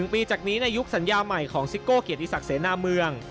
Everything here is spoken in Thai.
ปีจากนี้ในยุคสัญญาใหม่ของซิโก้เกียรติศักดิเสนาเมือง